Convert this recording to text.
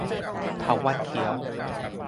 เถาวัลย์เขียว